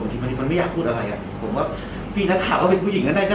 คนทิมที่มันไม่อยากพูดอะไรผมว่าพี่น่าข่าวว่าเป็นผู้หญิงก็ได้ก็นะ